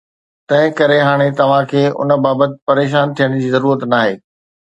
تنهنڪري هاڻي توهان کي ان بابت پريشان ٿيڻ جي ضرورت ناهي